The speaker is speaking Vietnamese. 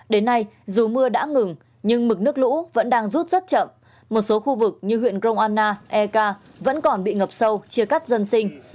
đến nay dù mưa đã ngừng nhưng mực nước lũ vẫn đang rút rất chậm một số khu vực như huyện grong anna eka vẫn còn bị ngập sâu chia cắt dân sinh